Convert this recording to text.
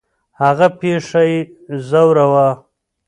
هغه پېښه یې ځوراوه.